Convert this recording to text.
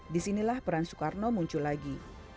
disinilah peran soekarno muncul lagi